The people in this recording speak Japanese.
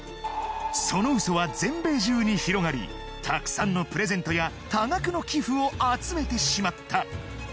そのウソは全米中に広がりたくさんのプレゼントや多額の寄付を集めてしまった